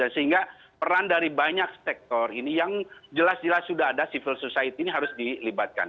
sehingga peran dari banyak sektor ini yang jelas jelas sudah ada civil society ini harus dilibatkan